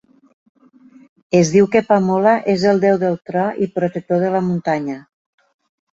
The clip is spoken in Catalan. Es diu que Pamola és el déu del tro i protector de la muntanya.